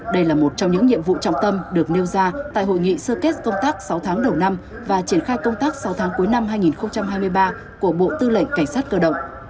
đây là một trong những nhiệm vụ trọng tâm được nêu ra tại hội nghị sơ kết công tác sáu tháng đầu năm và triển khai công tác sáu tháng cuối năm hai nghìn hai mươi ba của bộ tư lệnh cảnh sát cơ động